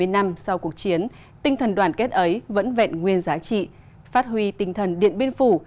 bảy mươi năm sau cuộc chiến tinh thần đoàn kết ấy vẫn vẹn nguyên giá trị phát huy tinh thần điện biên phủ